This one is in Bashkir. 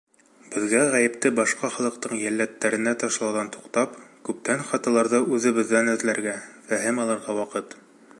Беҙгә ғәйепте башҡа халыҡтың йәлләдтәренә ташлауҙан туҡтап, күптән хаталарҙы үҙебеҙҙән эҙләргә, фәһем алырға ваҡыт.